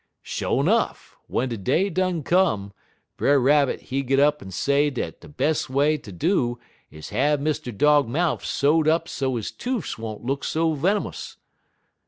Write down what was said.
"Sho' 'nuff, w'en de day done come, Brer Rabbit he git up en say dat de bes' way ter do is have Mr. Dog mouf sew'd up so he toofs won't look so venomous.